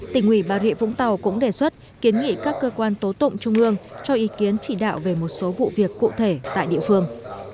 tỉnh ủy bà rịa vũng tàu cũng đề xuất kiến nghị các cơ quan tố tụng trung ương cho ý kiến chỉ đạo về một số vụ việc cụ thể tại địa phương